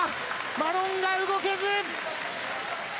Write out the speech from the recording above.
マロンガ動けず！